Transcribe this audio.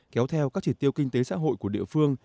kéo theo các chỉ tiêu kinh tế xã hội của địa phương